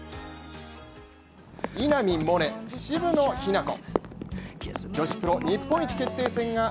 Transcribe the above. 稲見萌寧、渋野日向子。